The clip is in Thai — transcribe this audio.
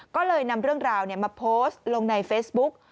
ก็เลยนำเรื่องราวมาโพสต์ลงในเฟซบุ๊ก